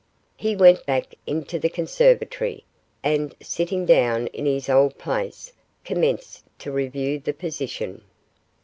He went back into the conservatory, and, sitting down in his old place, commenced to review the position.